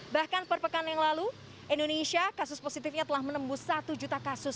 bahkan perpekan yang lalu indonesia kasus positifnya telah menembus satu juta kasus